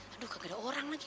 aduh kok ada orang lagi